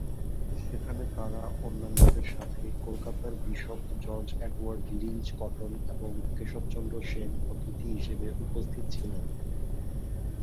সেখানে তারা অন্যান্যদের সাথে কলকাতার bishop George Edward Lynch Cotton এবং কেশবচন্দ্র সেন অতিথি হিসেবে উপস্থিত ছিলেন।